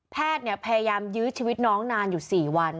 พยายามยื้อชีวิตน้องนานอยู่๔วัน